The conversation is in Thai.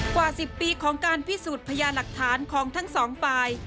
กว่า๑๐ปีของการพิสูจน์พยานหลักฐานของทั้งสองฝ่าย